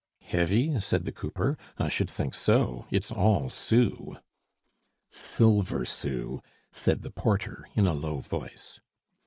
"Heavy?" said the cooper, "I should think so; it's all sous!" "Silver sous," said the porter in a low voice.